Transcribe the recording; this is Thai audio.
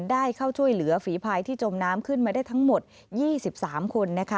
ได้เข้าช่วยเหลือฝีภายที่จมน้ำขึ้นมาได้ทั้งหมด๒๓คนนะคะ